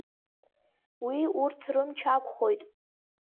Уи урҭ рымч ақәхоит…